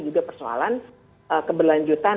juga persoalan keberlanjutan